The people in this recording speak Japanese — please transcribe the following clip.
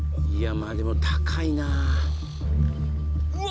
まあでも高いなあうわ